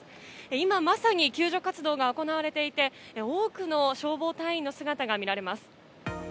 今まさに救助活動が行われていて多くの消防隊員の姿が見られます。